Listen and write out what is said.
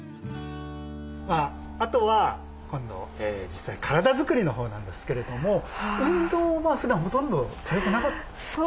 あとは実際体作りのほうなんですけれども運動はふだんほとんどされてなかったんでしたっけ？